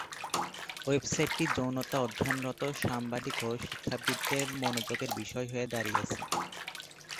ওয়েবসাইটটি যৌনতা অধ্যয়নরত সাংবাদিক এবং শিক্ষাবিদদের মনোযোগের বিষয় হয়ে দাঁড়িয়েছে।